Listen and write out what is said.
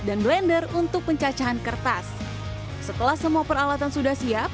penyaring gelas dan blender untuk pencacahan kertas setelah semua peralatan sudah siap